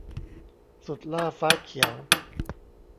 สุดหล้าฟ้าเขียว